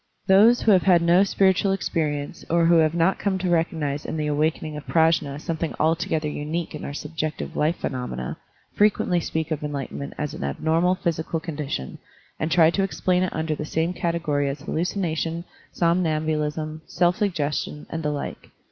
Those who have had no spiritual experience or who have not come to recognize in the awakening of Prajfia something altogether unique in our sub jective life phenomena frequently speak of enlightenment as an abnormal psychical con dition, and try to explain it under the same category as hallucination, somnambulism, self suggestion, and the like.